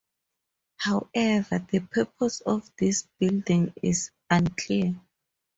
However, the purpose of these buildings is unclear.